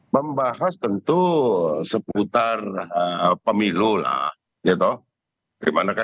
membahas tentu seputar pemilu lah